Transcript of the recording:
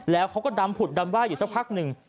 แล้วเขาก็ดำผุดดำว่าอยู่สักพักหนึ่ง